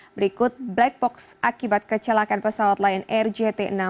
berikut black box akibat kecelakaan pesawat lion air jt enam ratus sepuluh